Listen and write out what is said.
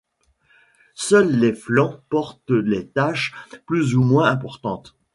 Seuls les flancs portent des taches plus ou moins importantes.